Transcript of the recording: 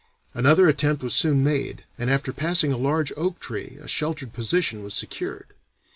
Another attempt was soon made, and after passing a large oak tree a sheltered position was secured.